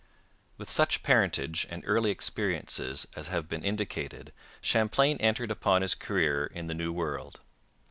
With such parentage and early experiences as have been indicated Champlain entered upon his career in the New World.